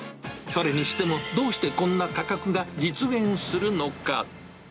それにしても、どうしてこんな価格が実現するのか。